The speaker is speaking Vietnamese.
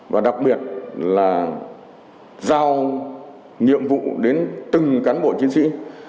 và đặc biệt là giao nhiệm vụ đến từng cán bộ chiến sĩ